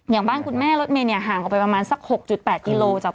อย่างบ้านคุณแม่รถเมนีย์ห่างออกไปประมาณ๖๘กิโลจากตรงนั้น